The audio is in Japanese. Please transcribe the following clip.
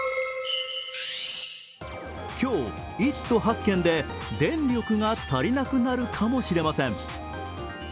今日、１都８県で電力が足りなくなるかもしれません。